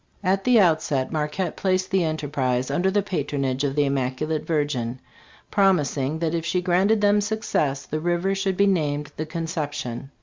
"At the outset. Marquette placed the enter prise under the patronage of the Immaculate Virgin, promis ing that if she granted them success, the river should be named ' The Conception.'